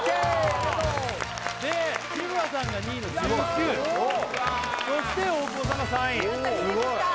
ありがとうで日村さんが２位の１９そして大久保さんが３位やった逃げきった！